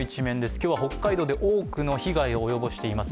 今日は北海道で多くの被害を及ぼしています